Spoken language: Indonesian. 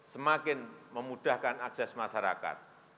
semakin memudahkan akses masyarakat